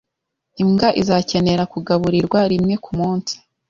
Imbwa izakenera kugaburirwa rimwe kumunsi.